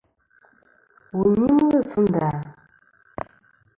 Wu nyɨmlɨ sɨ nda ?